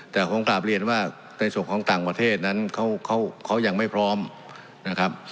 แต่ผมกลับเรียนว่าในส่วนของต่างประเทศนั้นเขายังไม่พร้อมนะครับ